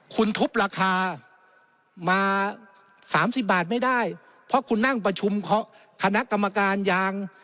คุณทุบราคามาสามสิบบาทไม่ได้เพราะคุณนั่งประชุมคณะกรรมการยาง